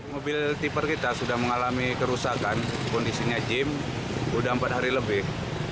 mobil tiper kita sudah mengalami kerusakan kondisinya gym sudah empat hari lebih